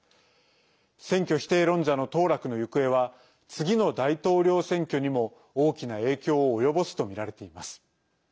選挙否定論者の当落の行方は次の大統領選挙にも大きな影響を及ぼすとみられています。